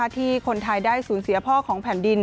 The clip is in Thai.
ที่คนไทยได้สูญเสียพ่อของแผ่นดิน